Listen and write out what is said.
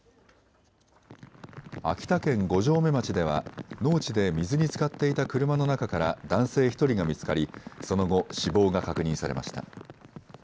秋田県五城目町では農地で水につかっていた車の中から男性１人が見つかりその後死亡が確認されました。